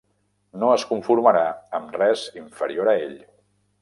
No es conformarà amb res inferior a ell.